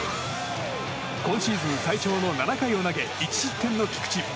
今シーズン最長の７回を投げ１失点の菊池。